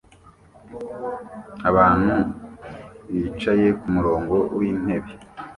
Abantu bicaye kumurongo wintebe